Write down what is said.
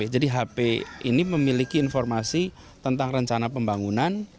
jadi hp ini memiliki informasi tentang rencana pembangunan